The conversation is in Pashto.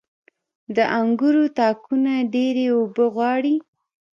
• د انګورو تاکونه ډيرې اوبه غواړي.